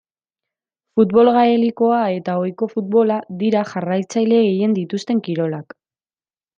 Futbol gaelikoa eta ohiko futbola dira jarraitzaile gehien dituzten kirolak.